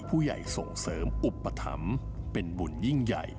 ผู้ใหญ่ส่งเสริมอุปถัมภ์เป็นบุญยิ่งใหญ่